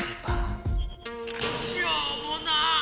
しょうもな！